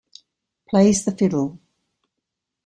Plays the fiddle.